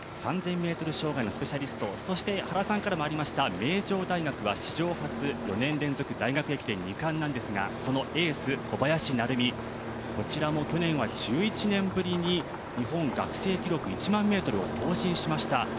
３０００ｍ障害のスペシャリスト、そして原さんからもありました名城大学は史上初４年連続大学駅伝２冠なんですがそのエース・小林成美こちらも去年は１１年ぶりに日本学生記録１００００ｍを更新しました。